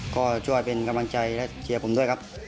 ก็ช่วยเป็นกำลังใจและเชียร์ผมด้วยครับ